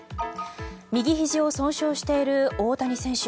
右ひじを損傷している大谷選手。